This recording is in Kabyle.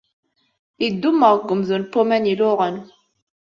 Yeddummeɣ deg umdun n waman iluɣen.